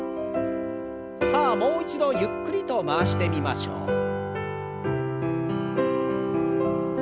さあもう一度ゆっくりと回してみましょう。